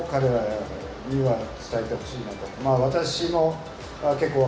jadi saya tidak tahu tentang situasi yang berbeda